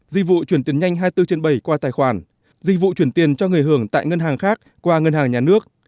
dịch vụ chuyển tiền nhanh hai mươi bốn trên bảy qua tài khoản dịch vụ chuyển tiền cho người hưởng tại ngân hàng khác qua ngân hàng nhà nước